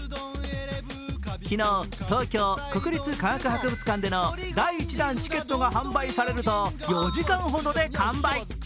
昨日、東京・国立科学博物館での第１弾チケットが販売されると４時間ほどで完売。